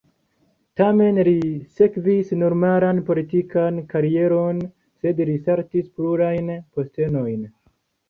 Tamen, li ne sekvis normalan politikan karieron, sed li saltis plurajn postenojn.